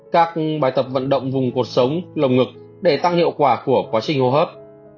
các bài tập vận động vùng cuộc sống lồng ngực để tăng hiệu quả của phổi